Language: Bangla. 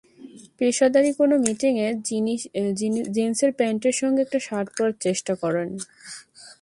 পেশাদারি কোনো মিটিংয়ে জিনসের প্যান্টের সঙ্গে একটা শার্ট পরার চেষ্টা করেন।